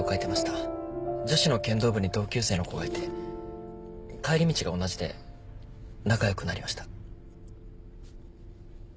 女子の剣道部に同級生の子がいて帰り道が同じで仲良くなりました。